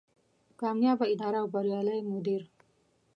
کاميابه اداره او بريالی مدير